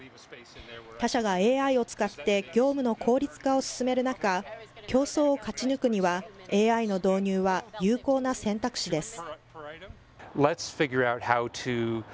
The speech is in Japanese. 他社がＡＩを使って業務の効率化を進める中、競争を勝ち抜くには、ＡＩの導入は有効な選択肢です。